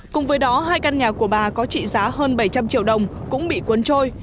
cùng với đó hai căn nhà của bà có trị giá hơn bảy trăm linh triệu đồng cũng bị cuốn trôi